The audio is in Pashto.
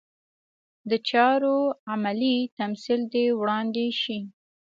د چارو عملي تمثیل دې وړاندې شي.